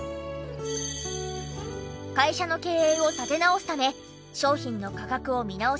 会社の経営を立て直すため商品の価格を見直し